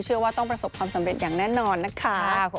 เชื่อว่าต้องประสบความสำเร็จอย่างแน่นอนนะคะ